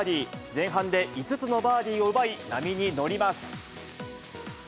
前半で５つのバーディーを奪い、波に乗ります。